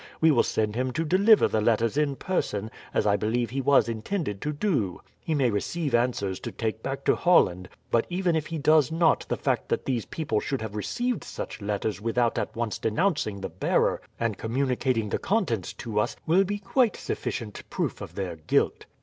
We will send him to deliver the letters in person, as I believe he was intended to do. He may receive answers to take back to Holland; but even if he does not the fact that these people should have received such letters without at once denouncing the bearer and communicating the contents to us, will be quite sufficient proof of their guilt."